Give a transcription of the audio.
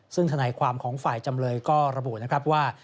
ซึ่งธนาความของฝ่ายจำเดิร์ก็ระบุว่า